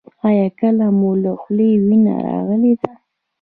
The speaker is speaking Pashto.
ایا کله مو له خولې وینه راغلې ده؟